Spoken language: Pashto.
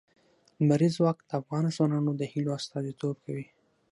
لمریز ځواک د افغان ځوانانو د هیلو استازیتوب کوي.